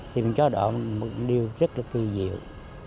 thì mình cho đó là một điều rất là kỳ diệu